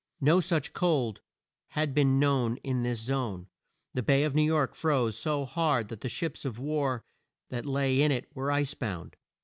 No such cold had been known in this zone. The Bay of New York froze so hard that the ships of war that lay in it were ice bound.